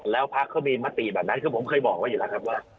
แล้วพักก็มีหมัติแบบนั้นคือผมเคยบอกว่าอยู่แล้วครับก่อน